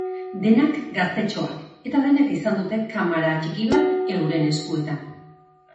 Denak gaztetxoak eta denek izan dute kamara txiki bat euren eskuetan.